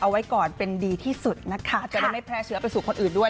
เอาไว้ก่อนเป็นดีที่สุดนะคะจะได้ไม่แพร่เชื้อไปสู่คนอื่นด้วย